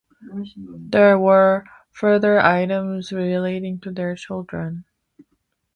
There were further items relating to their children.